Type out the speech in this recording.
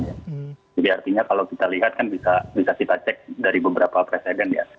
jadi artinya kalau kita lihat kan bisa kita cek dari beberapa presiden ya